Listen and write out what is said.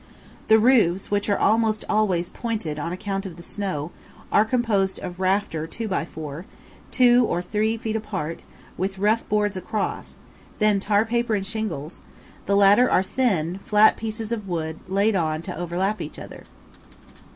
The roofs, which are almost always pointed on account of the snow, are composed of rafter 2 x 4, two to three feet apart, with rough boards across, then tar paper and shingles; the latter are thin, flat pieces of wood laid on to overlap each other.